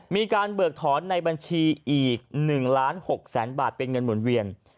เบิกถอนในบัญชีอีก๑ล้าน๖แสนบาทเป็นเงินหมุนเวียน